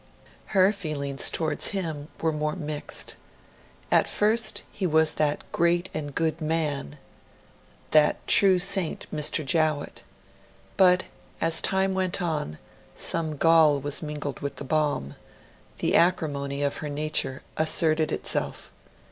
Her feelings towards him were more mixed. At first, he was 'that great and good man' 'that true saint, Mr. Jowett'; but, as time went on, some gall was mingled with the balm; the acrimony of her nature asserted itself.